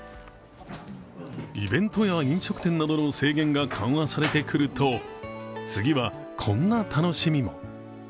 イベントや飲食店などの制限が緩和されてくると、次はこんな楽しみも。